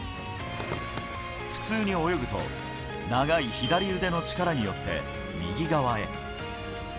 普通に泳ぐと長い左腕の力によって右側へ。